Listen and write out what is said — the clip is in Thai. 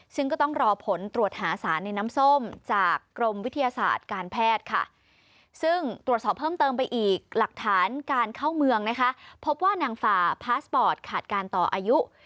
ซึ่งก็ต้องรอผลตรวจหาสารในน้ำส้มจากกรมวิทยาศาสตร์การแพทย์